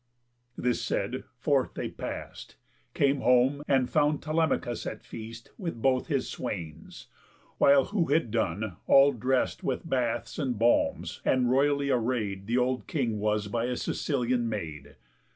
This said, forth they past, Came home, and found Telemachus at feast With both his swains; while who had done, all drest With baths and balms and royally array'd The old king was by his Sicilian maid.